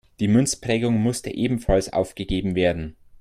Die Münzprägung musste ebenfalls aufgegeben werden.